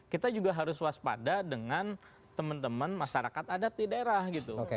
kita juga harus waspada dengan teman teman masyarakat adat di daerah gitu